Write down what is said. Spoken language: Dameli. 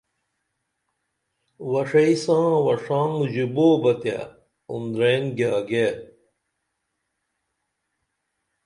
وݜئی ساں وݜانگ ژوپو بہ تیہ اُندرعین گیاگیے